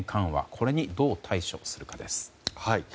これにどう対処するかです。